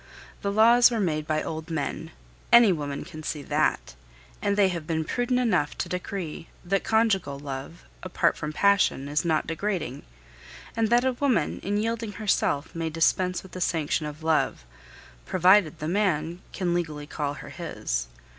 The laws were made by old men any woman can see that and they have been prudent enough to decree that conjugal love, apart from passion, is not degrading, and that a woman in yielding herself may dispense with the sanction of love, provided the man can legally call her his.